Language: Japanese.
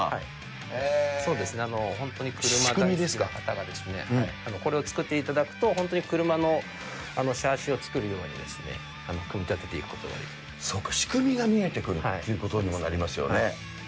本当に車好きな方がですね、これを作っていただくと、本当に車のシャシーを作るように組み立てていくことができるんでそうか、仕組みが見えてくるということにもなりますよね。